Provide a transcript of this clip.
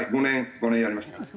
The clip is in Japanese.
５年やりました。